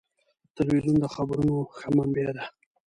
تلویزیون د خبرونو ښه منبع ده.